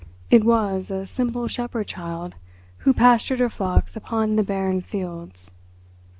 "... It was a simple shepherd child who pastured her flocks upon the barren fields...."